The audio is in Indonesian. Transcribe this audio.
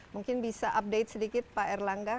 mungkin bisa update sedikit pak erlangga